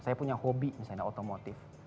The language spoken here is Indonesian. saya punya hobi misalnya otomotif